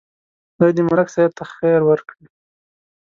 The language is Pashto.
خدای دې ملک صاحب ته خیر ورکړي.